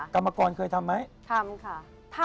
ค่ะ